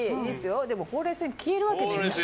でも、ほうれい線消えるわけねえじゃん。